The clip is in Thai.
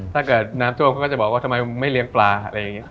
ถ้าเกิดน้ำท่วมเขาก็จะบอกว่าทำไมไม่เลี้ยงปลาอะไรอย่างนี้